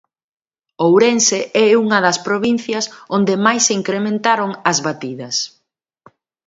Ourense é unha das provincias onde máis se incrementaron as batidas.